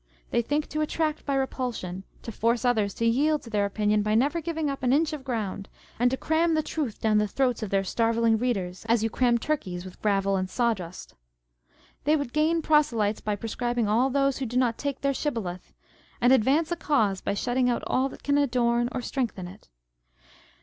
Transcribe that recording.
They think to attract by repulsion, to force others to yield to their opinion by never giving up an inch of ground, and to cram the truth down the throats of their starveling readers, as you cram turkeys with gravel and saw dust. They would gain proselytes by proscribing all those who do not take their Shiboleth, and advance a cause by shutting out all that can adorn or strengthen it.